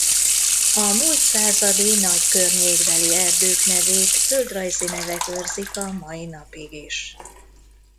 A múlt századi nagy környékbeli erdők nevét földrajzi nevek őrzik a mai napig is.